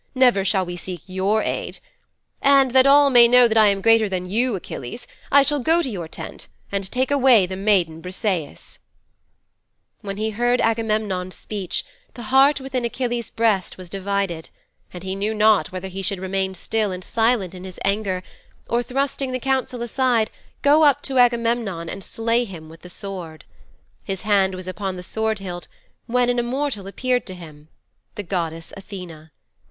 Never shall we seek your aid. And that all may know I am greater than you, Achilles, I shall go to your tent and take away the maiden Briseis."' 'When he heard Agamemnon's speech the heart within Achilles' breast was divided, and he knew not whether he should remain still and silent in his anger, or, thrusting the council aside, go up to Agamemnon and slay him with the sword. His hand was upon the sword hilt when an immortal appeared to him the goddess Athene.